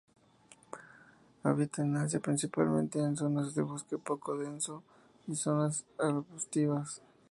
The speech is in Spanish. Habita en Asia principalmente en zonas de bosque poco denso y zonas arbustivas.